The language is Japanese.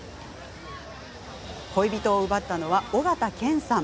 恋人を奪ったのは緒形拳さん。